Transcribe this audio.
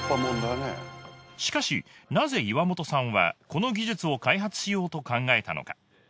しかしなぜ岩元さんはこの技術を開発しようと考えたのか？